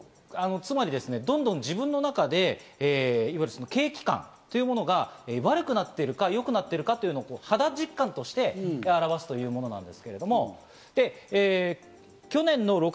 つまりどんどん自分の中で、景気感というものが悪くなっているか、良くなっているかという肌実感として表しているものです。